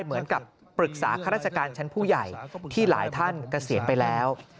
เหมือนกับปรึกษาข้าราชการชั้นผู้ใหญ่ที่หลายท่านเกษียณไปแล้ว